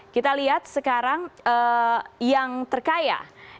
kita lihat sekarang yang terkaya